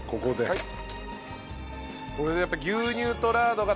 はい。